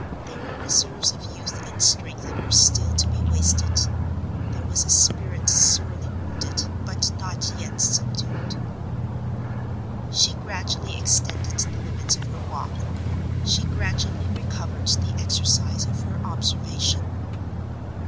There were reserves of youth and strength in her still to be wasted; there was a spirit sorely wounded, but not yet subdued. She gradually extended the limits of her walk; she gradually recovered the exercise of her observation.